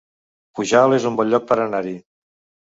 Pujalt es un bon lloc per anar-hi